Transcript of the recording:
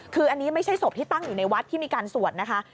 คืออันนี้ไม่ใช่ศพที่ตั้งอยู่ในวัดที่มีการสวดนะคะ